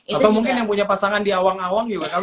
atau mungkin yang punya pasangan di awang awang juga kan